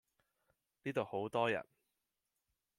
呢度好多人